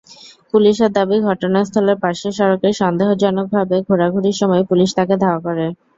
পুলিশের দাবি, ঘটনাস্থলের পাশের সড়কে সন্দেহজনকভাবে ঘোরাঘুরির সময় পুলিশ তাকে ধাওয়া করে।